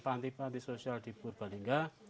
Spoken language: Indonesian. panti panti sosial di purbalingga